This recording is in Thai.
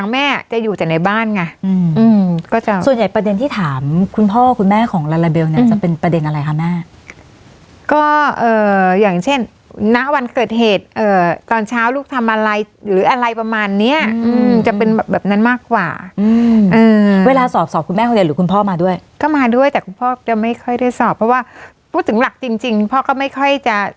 แม่จะอยู่แต่ในบ้านไงก็จะส่วนใหญ่ประเด็นที่ถามคุณพ่อคุณแม่ของลาลาเบลเนี่ยจะเป็นประเด็นอะไรคะแม่ก็อย่างเช่นณวันเกิดเหตุตอนเช้าลูกทำอะไรหรืออะไรประมาณเนี้ยจะเป็นแบบนั้นมากกว่าเวลาสอบสอบคุณแม่คนเดียวหรือคุณพ่อมาด้วยก็มาด้วยแต่คุณพ่อจะไม่ค่อยได้สอบเพราะว่าพูดถึงหลักจริงจริงพ่อก็ไม่ค่อยจะ